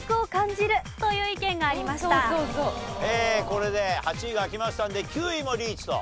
これで８位が開きましたんで９位もリーチと。